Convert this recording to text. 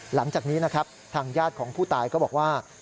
หลังจากนี้นะครับทางญาติของผู้ตายก็บอกว่า